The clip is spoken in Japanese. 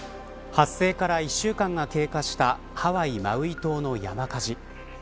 発生から１週間が経過したハワイ・マウイ島の山火事。